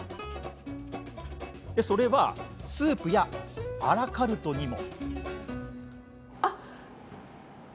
それはスープやアラカルトにも。